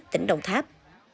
tỉnh đồng tháp